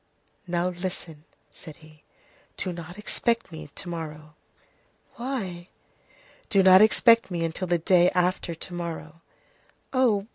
"Now, listen," said he, "do not expect me to morrow." "Why?" "Do not expect me until the day after to morrow." "Oh!